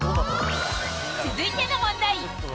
続いての問題。